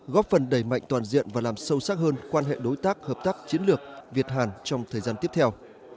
góp phần đầy mạnh toàn diện và làm sâu sắc hơn quan hệ đối tác hợp tác chiến lược việt hàn trong thời gian tiếp theo